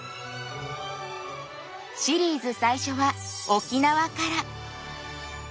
シリーズ最初は沖縄から。